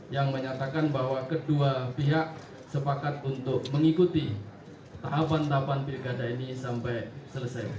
yang menyatakan bahwa kedua pihak sepakat untuk mengikuti tahapan tahapan pilkada ini sampai selesai